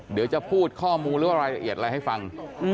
เดี๋ยวจะพูดข้อมูลหรือว่ารายละเอียดอะไรให้ฟัง